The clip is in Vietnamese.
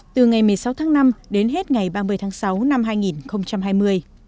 từ ngày một mươi sáu tháng năm đến hết ngày ba mươi tháng sáu năm hai nghìn hai mươi